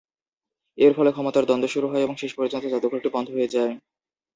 এর ফলে ক্ষমতার দ্বন্দ্ব শুরু হয় এবং শেষ পর্যন্ত জাদুঘরটি বন্ধ হয়ে যায়।